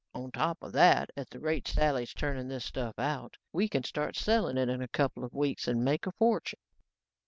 On top of that, at the rate Sally's turning this stuff out, we can start selling it in a couple of weeks and make a fortune."